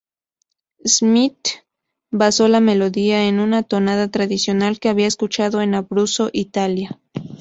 Smyth basó la melodía en una tonada tradicional que había escuchado en Abruzzo, Italia.